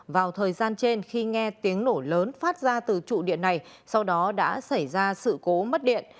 vào thời gian trên khi nghe tiếng nổ lớn phát ra từ trụ điện này sau đó đã xảy ra sự cố mất điện